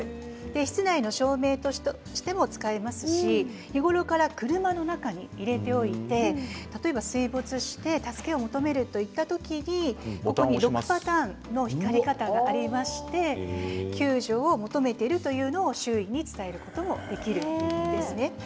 室内の照明としても使えますし日頃から車の中に入れておいて例えば、水没して助けを求めるといった時に６パターンの光の光り方がありまして救助を求めているということを周囲に伝えることもできます。